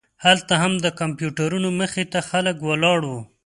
هلته هم د کمپیوټرونو مخې ته خلک ولاړ وو.